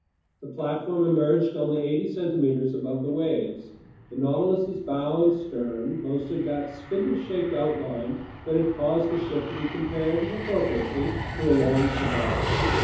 The platform emerged only eighty centimeters above the waves. The Nautilus's bow and stern boasted that spindle shaped outline that had caused the ship to be compared appropriately to a long cigar.